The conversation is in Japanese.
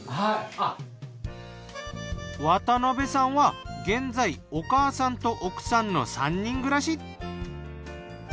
渡辺さんは現在お母さんと奥さんの３人暮らし。